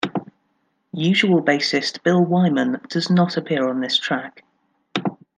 Usual bassist Bill Wyman does not appear on this track.